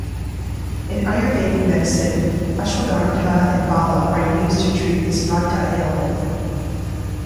In Ayurvedic Medicine, Ashwagandha and Bala are used to treat this vata ailment.